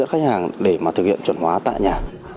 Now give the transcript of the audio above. chuẩn hóa tại nhà